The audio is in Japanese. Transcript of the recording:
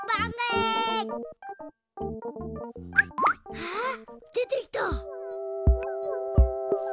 あっでてきた！